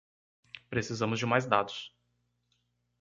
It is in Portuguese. Precisamos de mais dados.